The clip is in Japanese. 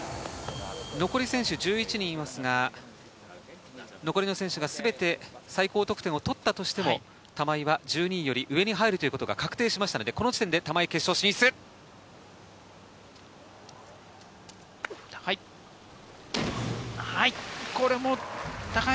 残り選手１１人いますが、残りの選手が全て最高得点を取ったとしても、玉井は１２位より上に入るということが確定しましたので、高い。